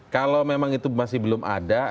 kalau memang itu masih belum ada